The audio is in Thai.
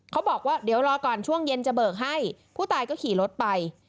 เขาบอกว่าเดี๋ยวรอก่อนช่วงเย็นจะเบิกให้ผู้ตายก็ขี่รถไป